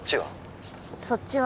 ☎そっちは？